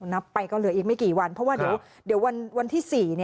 นับไปก็เหลืออีกไม่กี่วันเพราะว่าเดี๋ยววันที่๔